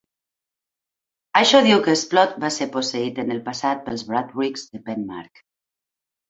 Això diu que Splott va ser posseït en el passat pels Bawdrips de Penmark.